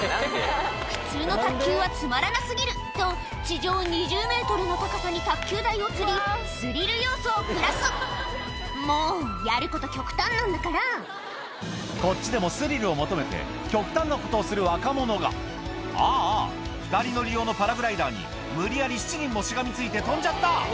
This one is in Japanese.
「普通の卓球はつまらな過ぎる」と地上２０ｍの高さに卓球台をつりスリル要素をプラスもうやること極端なんだからこっちでもスリルを求めて極端なことをする若者がああ２人乗り用のパラグライダーに無理やり７人もしがみついて飛んじゃった！